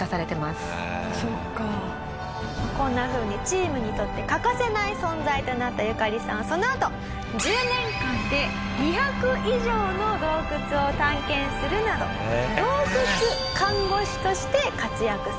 こんなふうにチームにとって欠かせない存在となったユカリさんはそのあと１０年間で２００以上の洞窟を探検するなど洞窟看護師として活躍されていると。